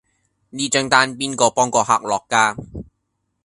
呢張單邊個幫個客落㗎